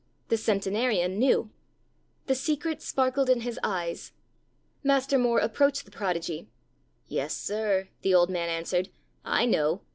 The centenarian knew. The secret sparkled in his eyes. Master More approached the prodigy. 'Yes, sir,' the old man answered, 'I know.